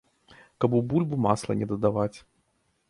Каб у бульбу масла не дадаваць.